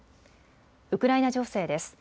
ウクライナ情勢です。